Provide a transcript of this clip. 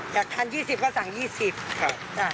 อยากทาน๒๐ก็สั่ง๒๐ค่ะ